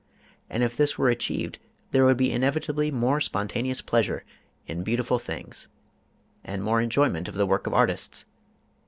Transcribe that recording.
And if this were achieved there would inevitably be more spontaneous pleasure in beautiful things, and more enjoyment of the work of artists.